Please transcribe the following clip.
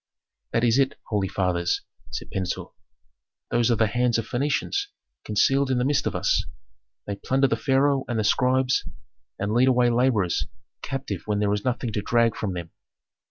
"That is it, holy fathers," said Pentuer. "Those are the hands of Phœnicians concealed in the midst of us; they plunder the pharaoh and the scribes, and lead away laborers captive when there is nothing to drag from them."